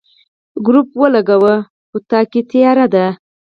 ګروپ روښانه کړه، کوټه تياره ده.